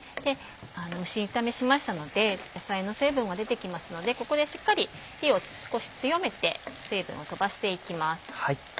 蒸し炒めしましたので野菜の水分が出てきますのでここでしっかり火を少し強めて水分を飛ばしていきます。